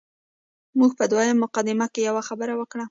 موږ په دویمه مقدمه کې یوه خبره وکړه.